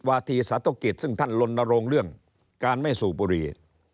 วาธีสาธุกิจซึ่งท่านลนโรงเรื่องการไม่สูบบุรี